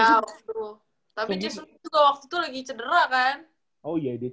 ya betul tapi cek sungging juga waktu itu lagi cedera kan